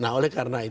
nah oleh karena itu